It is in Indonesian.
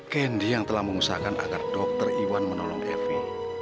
kendi yang telah mengusahakan agar dokter iwan menolong evi